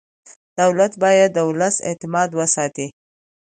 دولت باید د ولس اعتماد وساتي.